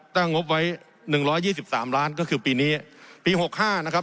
งบไว้หนึ่งร้อยยี่สิบสามล้านก็คือปีนี้ปีหกห้านะครับ